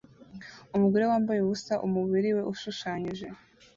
Umugore wambaye ubusa umubiri we ushushanyije